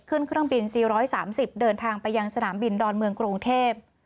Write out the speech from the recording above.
ขึ้นเครื่องบินสี่ร้อยสามสิบเดินทางไปยังสนามบินดอนเมืองกรงเทพฯ